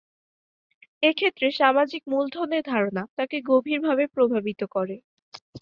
এক্ষেত্রে সামাজিক মূলধনের ধারণা তাঁকে গভীরভাবে প্রভাবিত করে।